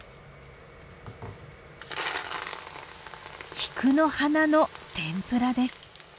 菊の花の天ぷらです。